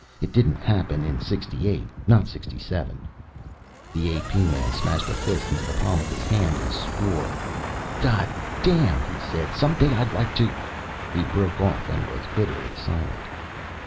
"It didn't happen in '68, not '67." The A.P. man smashed a fist into the palm of his hand and swore. "God damn," he said. "Some day I'd like to " He broke off and was bitterly silent.